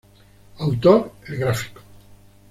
Autor: El Gráfico.